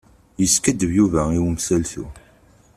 Yeskaddeb Yuba i umsaltu.